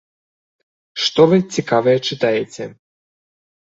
Што вы цікавае чытаеце?